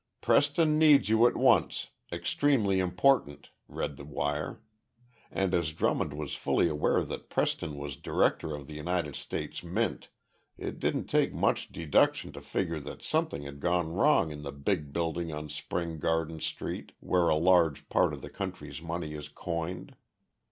"Preston needs you at once. Extremely important," read the wire and, as Drummond was fully aware that Preston was Director of the United States Mint, it didn't take much deduction to figure that something had gone wrong in the big building on Spring Garden Street where a large part of the country's money is coined.